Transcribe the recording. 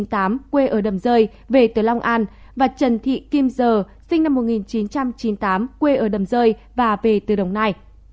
nguyễn quốc ca sinh năm một nghìn chín trăm chín mươi tám về từ long an và trần thị kim giờ sinh năm một nghìn chín trăm chín mươi tám quê ở đầm rơi và về từ đồng nai